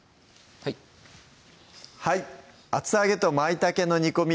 はいはい「厚揚げと舞茸の煮込み」